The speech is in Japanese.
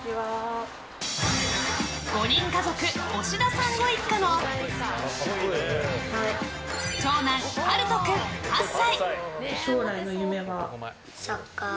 ５人家族、押田さんご一家の長男・陽斗君、８歳。